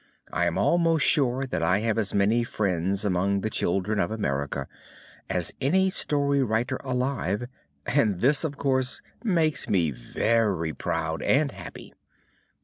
I am almost sure that I have as many friends among the children of America as any story writer alive; and this, of course, makes me very proud and happy.